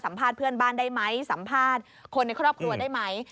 สัมภาษณ์เพื่อนบ้านได้ไหมสัมภาษณ์คนในครอบครัวได้ไหม